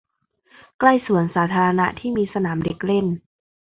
ใกล้สวนสาธารณะที่มีสนามเด็กเล่น